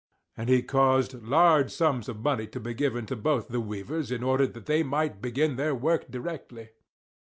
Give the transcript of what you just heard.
And he caused large sums of money to be given to both the weavers in order that they might begin their work directly.